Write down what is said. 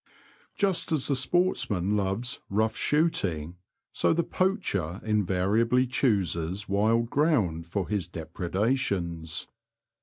flUST as the sportsman loves '^ rough V^ shooting," so the poacher invariably chooses wild ground for his depre dations.